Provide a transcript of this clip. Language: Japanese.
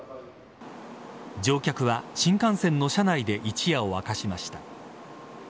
乗客は新幹線の車内で一夜を明かしました。